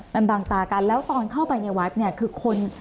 มันบางตากันแล้วตอนเข้าไปในวัดเนี่ยคือคน